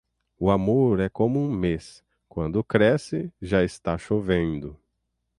O amor é como um mês; quando cresce, já está chovendo.